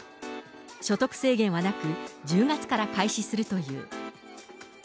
所得制限はなく、１０月から開始するという。